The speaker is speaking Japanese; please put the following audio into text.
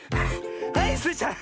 はいスイちゃん。